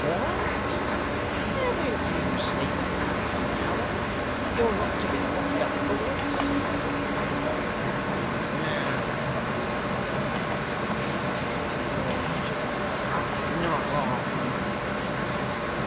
'What! Haven't you sleep enough, growler, that you're not to be knocked up for once?' said John. 'No,' replied the voice, as the speaker yawned and shook himself. 'Not half enough.